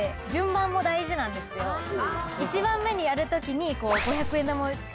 １番目にやるときに。